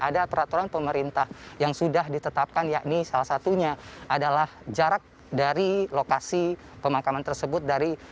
ada peraturan pemerintah yang sudah ditetapkan yakni salah satunya adalah jarak dari lokasi pemakaman tersebut dari